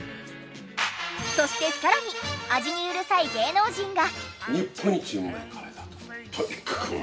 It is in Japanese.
そしてさらに味にうるさい芸能人が。